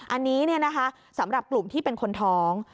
อันนี้เนี่ยนะคะสำหรับกลุ่มที่เป็นคนท้อง